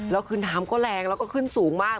แล้วคือน้ำก็แรงแล้วก็ขึ้นสูงมาก